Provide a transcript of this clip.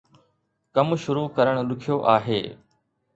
ڪم شروع ڪرڻ ڏکيو آهي